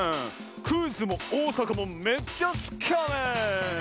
クイズもおおさかもめっちゃすきやねん！